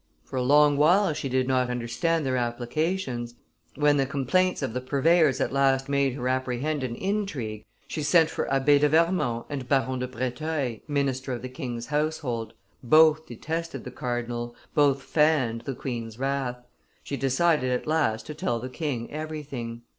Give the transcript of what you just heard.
For a long while she did not understand their applications: when the complaints of the purveyors at last made her apprehend an intrigue, she sent for Abbe de Vermond and Baron de Breteuil, minister of the king's household both detested the cardinal, both fanned the queen's wrath; she decided at last to tell the king everything.